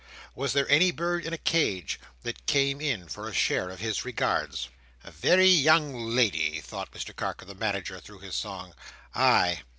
Was there any bird in a cage, that came in for a share of his regards? "A very young lady!" thought Mr Carker the Manager, through his song. "Ay!